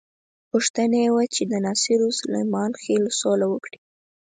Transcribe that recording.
غوښتنه یې وه چې د ناصرو او سلیمان خېلو سوله وکړي.